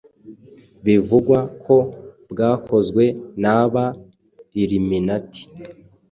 bivugwa ko bwakozwe n’aba Illuminati